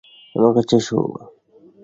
আমার কাছে এসো।